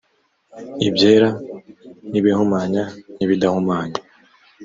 ibyera n ibihumanya n ibidahumanya